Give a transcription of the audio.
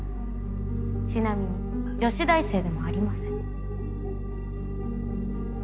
ちなみに女子大生でもありません。